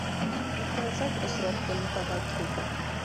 — Иртәнсәк осраттым Табакиҙы.